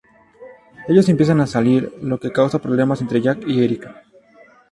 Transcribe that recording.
Ellos empiezan a salir, lo que causa problemas entre Jack y Eric.